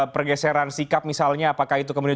pergeseran sikap misalnya apakah itu kemudian